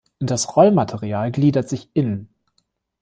Das Rollmaterial gliedert sich in